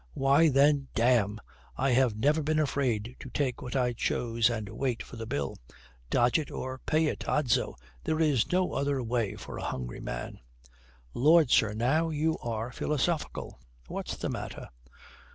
"Why then, damme, I have never been afraid to take what I chose and wait for the bill. Dodge it, or pay it. Odso, there is no other way for a hungry man." "Lord, sir, now you are philosophical! What's the matter?"